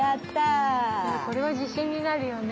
これは自信になるよね。